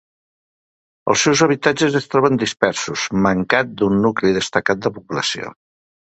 Els seus habitatges es troben dispersos, mancant d'un nucli destacat de població.